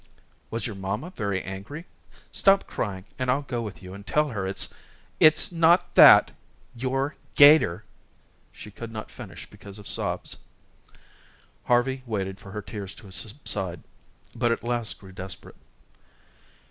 "Was your mamma very angry? Stop crying and I'll go with you and tell her it's " "It's not that. Your 'gator " She could not finish because of sobs. Harvey waited for her tears to subside, but at last grew desperate.